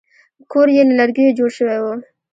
کور یې له لرګیو جوړ شوی و.